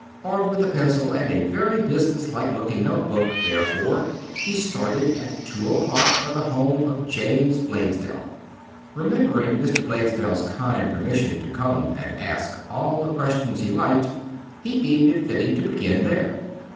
Armed with a pencil and a very businesslike looking notebook, therefore, he started at two o'clock for the home of James Blaisdell. Remembering Mr. Blaisdell's kind permission to come and ask all the questions he liked, he deemed it fitting to begin there.